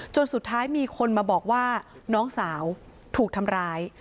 สุดท้ายมีคนมาบอกว่าน้องสาวถูกทำร้าย